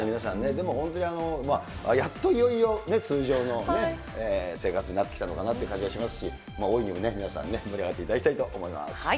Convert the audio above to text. でも本当にやっといよいよ通常のね、生活になってきたのかなという感じがしますし、大いに皆さん、盛り上がっていただきたいと思います。